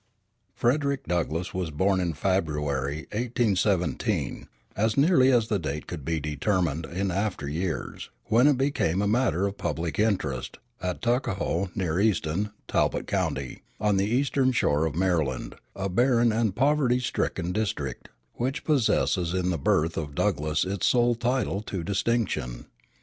Frederick Douglass was born in February, l8l7, as nearly as the date could be determined in after years, when it became a matter of public interest, at Tuckahoe, near Easton, Talbot County, on the eastern shore of Maryland, a barren and poverty stricken district, which possesses in the birth of Douglass its sole title to distinction.